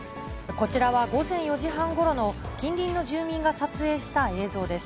こちらは午前４時半ごろの、近隣の住民が撮影した映像です。